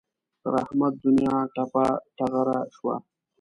پر احمد دونیا ټپه ټغره شوه.